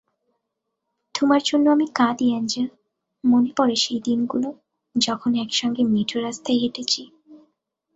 তোমার জন্য আমি কাঁদিঅ্যাঞ্জেল, মনে পড়ে সেই দিনগুলো যখন একসঙ্গে মেঠো রাস্তায় হেঁটেছি।